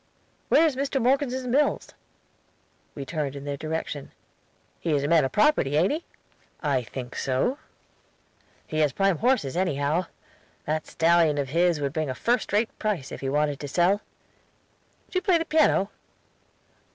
"Where's Mr. Morgeson's mills?" We turned in their direction. "He is a man of property, ain't he?" "I think so." "He has prime horses anyhow. That stallion of his would bring a first rate price if he wanted to sell. Do you play the piano?"